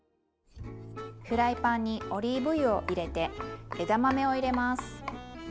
フライパンにオリーブ油を入れて枝豆を入れます。